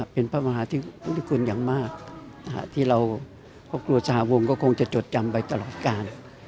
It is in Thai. เป็นพระมหาธิคุณอย่างมากที่เราครอบครัวสหวงก็คงจะจดจำไปตลอดการ